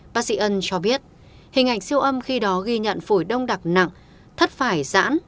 bác sĩ ân cho biết hình ảnh siêu âm khi đó ghi nhận phổi đông đặc nặng thất phải giãn